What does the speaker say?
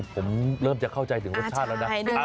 ผมเริ่มจะเข้าใจถึงรสชาติแล้วนะ